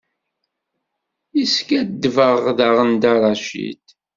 Yeskaddeb-aɣ daɣen Dda Racid.